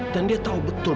dan dia tahu betul